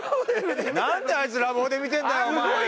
なんであいつラブホで見てんだよお前！